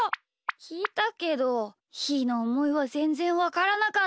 きいたけどひーのおもいはぜんぜんわからなかった。